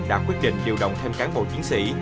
đã quyết định điều động thêm cán bộ chiến sĩ